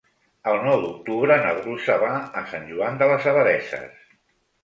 El nou d'octubre na Dolça va a Sant Joan de les Abadesses.